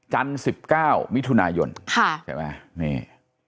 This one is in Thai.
จันทร์๑๙มิถุนายนใช่ไหมนี่